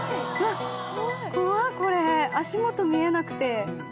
あっ怖いこれ足元見えなくて。